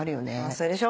それでしょ？